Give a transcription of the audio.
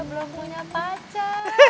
belum punya pacar